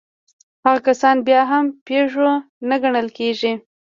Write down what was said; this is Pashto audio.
هغه کسان بيا هم پيژو نه ګڼل کېږي.